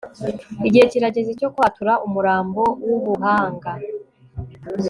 Igihe kirageze cyo kwatura Umurambo wubuhanga